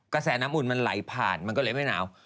กระแสน้ำอุ่นมันไหลผ่านมันก็เลยไม่หนาว